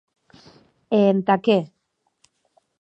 E entà qué?